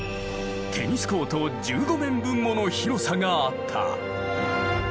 テニスコート１５面分もの広さがあった。